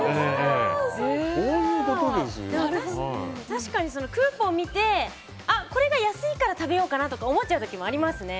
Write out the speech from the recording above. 確かにクーポン見てこれが安いから食べようかなとか思っちゃうこともありますね。